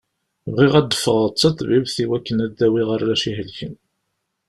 Bɣiɣ ad d-fɣeɣ d taṭbibt iwakken ad dawiɣ arrac ihelken.